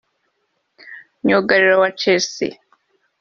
myugariro wa Chelsea